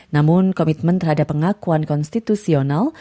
namun komitmen terhadap pengakuan konstitusional